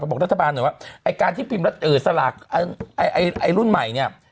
บอกรัฐบาลหน่อยว่าไอ้การที่พิมพ์รัฐสลากไอ้รุ่นใหม่เนี่ย